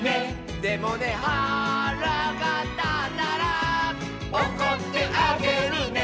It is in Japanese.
「でもねはらがたったら」「おこってあげるね」